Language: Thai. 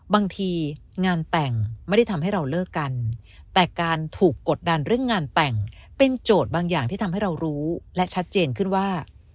บางทีงานแต่งไม่ได้ทำให้เราเลิกกันแต่การถูกกดดันเรื่องงานแต่งเป็นโจทย์บางอย่างที่ทำให้เรารู้และชัดเจนขึ้นว่า